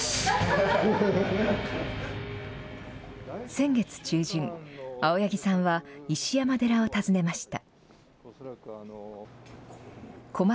先月中旬青柳さんは石山寺を訪ねました。